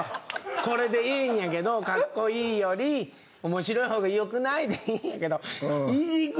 これでいいんやけど「かっこいいより面白いほうがよくない？」でいいんやけど入り口